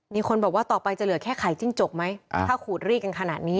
มีคนบอกว่าต่อไปจะเหลือแค่ไข่จิ้งจกไหมถ้าขูดรีดกันขนาดนี้